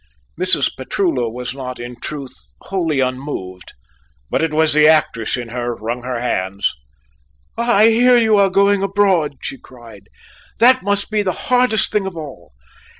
Mrs. Petullo was not, in truth, wholly unmoved, but it was the actress in her wrung her hands. "I hear you are going abroad," she cried. "That must be the hardest thing of all."